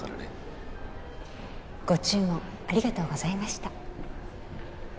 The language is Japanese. ご注文ありがとうございました。